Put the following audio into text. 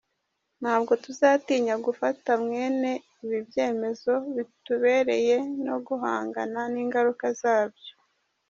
Ntabwo tuzatinya gufata mwene ibi byemezo bitubereye no guhangana n’ingaruka zabyo.